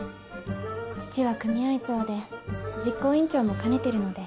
父は組合長で実行委員長も兼ねてるので。